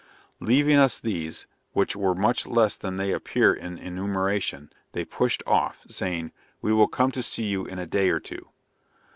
Leaving us these, which were much less than they appear in the enumeration, they pushed off, saying, "we will come to see you in a day or two."